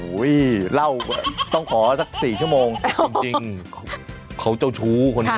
เล่าต้องขอสัก๔ชั่วโมงจริงเขาเจ้าชู้คนนี้